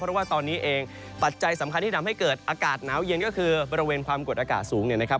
เพราะว่าตอนนี้เองปัจจัยสำคัญที่ทำให้เกิดอากาศหนาวเย็นก็คือบริเวณความกดอากาศสูงเนี่ยนะครับ